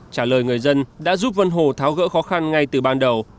trả lời người dân đã giúp vân hồ tháo gỡ khó khăn ngay từ ban đầu